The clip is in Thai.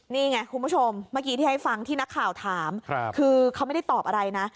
นี่ไงคุณผู้ชมเมื่อกี้ที่ให้ฟังที่นักข่าวถามคือเขาไม่ได้ตอบอะไรนะ